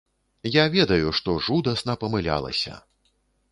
Я ведаю, што жудасна памылялася.